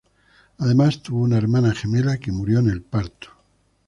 Además, tuvo una hermana gemela que murió en el parto.